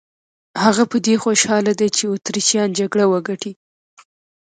هغه په دې خوشاله دی چې اتریشیان جګړه وګټي.